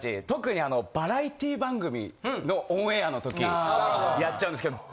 特にバラエティー番組のオンエアのとき、やっちゃうんですけど。